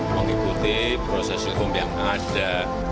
mengikuti proses hukum yang ada